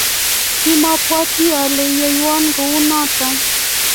Kamwabati ale iyaywon kou notok